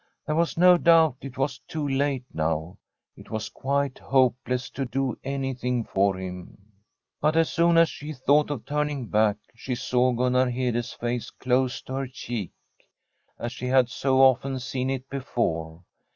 There was no doubt it was too late now ; it was quite hopeless to do anything for him. But as soon as she thought of turning back she saw Gunnar Hede's face close to her cheek, as she had so often seen it before.